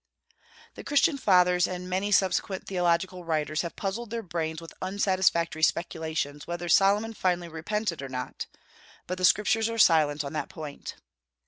The Christian fathers and many subsequent theological writers have puzzled their brains with unsatisfactory speculations whether Solomon finally repented or not; but the Scriptures are silent on that point.